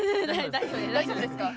大丈夫ですか。